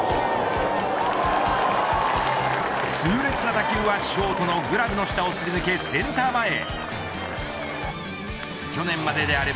痛烈な打球は、ショートのグラブの下をすり抜けセンター前へ。